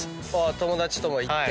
友達とも行って。